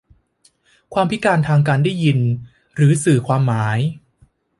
ความพิการทางการได้ยินหรือสื่อความหมาย